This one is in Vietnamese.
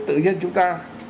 tự nhiên chúng ta